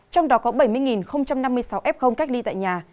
trong đó có bảy mươi năm mươi sáu f cách ly tại nhà